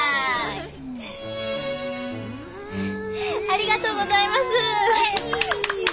ありがとうございます。